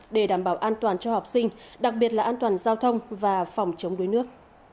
để đảm bảo an toàn cho học sinh đặc biệt là an toàn giao thông và phòng chống đuối nước